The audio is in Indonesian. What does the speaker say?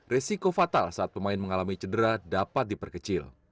resiko fatal saat pemain mengalami cedera dapat diperkecil